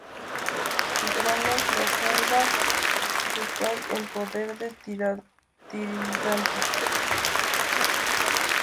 Tigranes la salva y cae en poder de Tiridates.